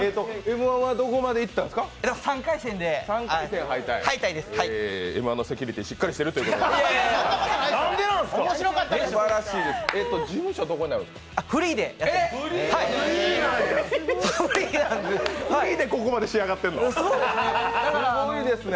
Ｍ−１のセキュリティー、しっかりしてるってことですね。